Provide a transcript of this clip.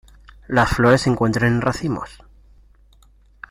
Las flores se encuentran en racimos.